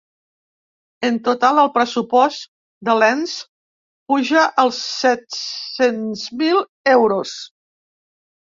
En total el pressupost de l’ens puja als set-cents mil euros.